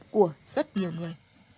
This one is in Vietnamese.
của rất nhiều người